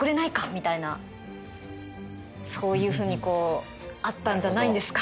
みたいなそういうふうにあったんじゃないんですか？